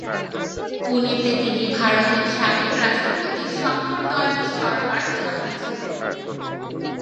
পুনেতে তিনি ভারতের সাবেক রাষ্ট্রপতি শঙ্কর দয়াল শর্মার ছাত্র ছিলেন।